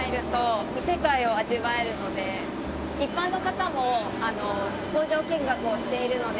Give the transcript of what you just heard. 一般の方も工場見学をしているので。